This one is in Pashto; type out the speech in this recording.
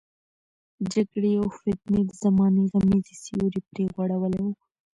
د جګړې او فتنې د زمانې غمیزې سیوری پرې غوړولی وو.